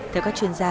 theo các chuyên gia